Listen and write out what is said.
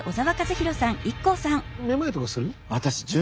めまいとかする？